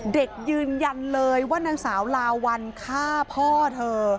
ยืนยันเลยว่านางสาวลาวัลฆ่าพ่อเธอ